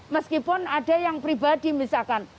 meskipun ada yang pribadi misalkan